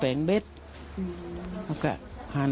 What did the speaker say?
แม่เป็นเย้เป็นว่าเอาถึงที่สุดเอง